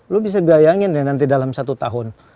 lo bisa bayangin deh nanti dalam satu tahun